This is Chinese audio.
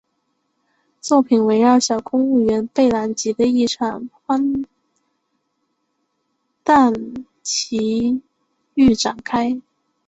作品围绕小公务员贝兰吉的一场荒诞奇遇展开。